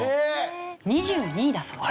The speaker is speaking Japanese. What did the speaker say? ２２位だそうです。